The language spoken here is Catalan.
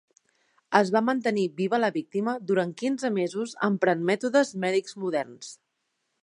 Es va mantenir viva la víctima durant quinze mesos emprant mètodes mèdics moderns.